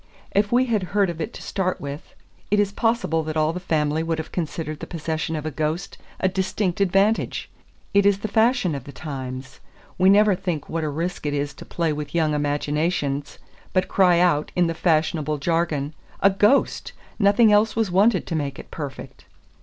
If we had heard of it to start with, it is possible that all the family would have considered the possession of a ghost a distinct advantage. It is the fashion of the times. We never think what a risk it is to play with young imaginations, but cry out, in the fashionable jargon, "A ghost! nothing else was wanted to make it perfect."